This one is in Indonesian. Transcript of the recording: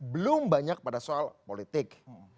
belum banyak pada soal politik